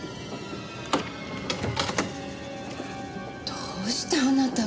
どうしてあなたが。